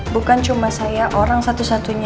bukan cuma saya orang satu satunya